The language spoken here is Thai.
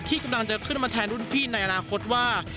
กำลังจะขึ้นมาแทนรุ่นพี่ในอนาคตว่า